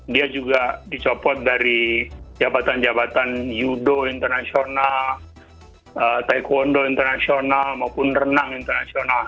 dia juga dicopot dari jabatan jabatan yudo internasional taekwondo internasional maupun renang internasional